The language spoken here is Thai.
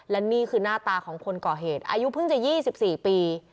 และนี่คือหน้าตาของคนก่อเหตุอายุเพิ่งจะ๒๔ปี